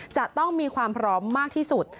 จะต้องมีความพร้อมมากที่สุด